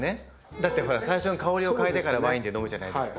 だってほら最初に香りを嗅いでからワインって飲むじゃないですか。